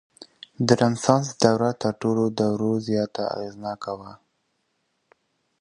د رنسانس دوره تر نورو دورو زياته اغېزناکه وه.